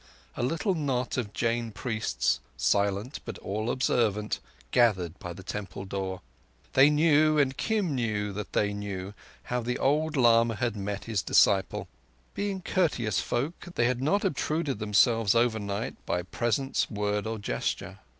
A little knot of Jain priests, silent but all observant, gathered by the temple door. They knew, and Kim knew that they knew, how the old lama had met his disciple. Being courteous folk, they had not obtruded themselves overnight by presence, word, or gesture.